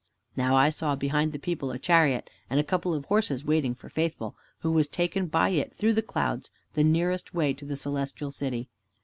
Now I saw behind the people a chariot and a couple of horses waiting for Faithful, who was taken by it through the clouds, the nearest way to the Celestial City.